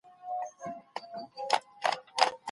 آیا د طلاق لاملونه د مادي فشارونو سره تړاو لري؟